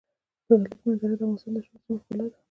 د کلیزو منظره د افغانستان د شنو سیمو ښکلا ده.